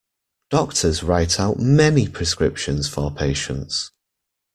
Doctors write out many prescriptions for patients